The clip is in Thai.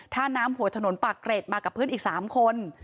ท่าน้ำหัวถนนปากเกร็ดมากับเพื่อนอีก๓คน